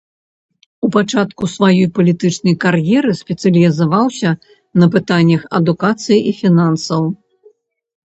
У пачатку сваёй палітычнай кар'еры спецыялізаваўся на пытаннях адукацыі і фінансаў.